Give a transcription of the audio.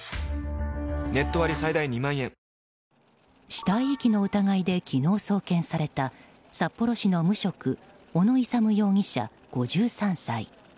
死体遺棄の疑いで昨日送検された札幌市の無職小野勇容疑者、５３歳。